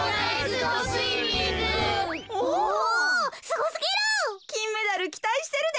すごすぎる。